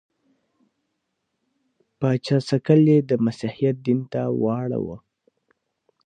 پاچا سکل یې د مسیحیت دین ته واړاوه.